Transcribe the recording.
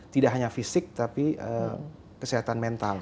tidak hanya fisik tapi kesehatan mental